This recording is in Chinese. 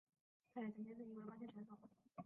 他也曾经是一位棒球选手。